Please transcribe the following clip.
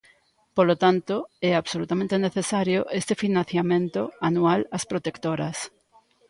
Polo tanto, é absolutamente necesario este financiamento anual ás protectoras.